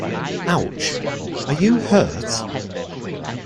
Ouch! Are you hurt?